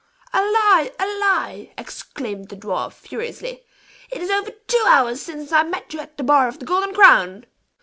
"A lie! a lie!" exclaimed the dwarf, furiously. "It is over two hours since I met you at the bar of the Golden Crown."